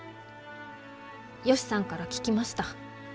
ヨシさんから聞きました。